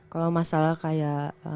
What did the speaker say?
kalau masalah kayak